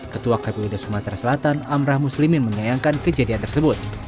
ketua kpu daerah sumatera selatan amrah muslimin mengayangkan kejadian tersebut